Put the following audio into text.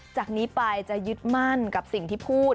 จากนี้ไปจะยึดมั่นกับสิ่งที่พูด